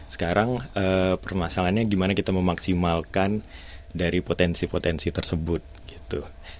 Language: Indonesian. sekarang permasalahannya gimana kita memaksimalkan dari potensi potensi tersebut gitu